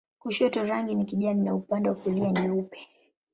Kushoto rangi ni kijani na upande wa kulia nyeupe.